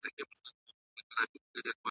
ټولوي مینه عزت او دولتونه ,